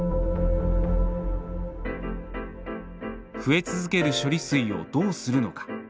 増え続ける処理水をどうするのか。